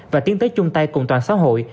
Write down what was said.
và tiến tới chung tay cùng toàn xã hội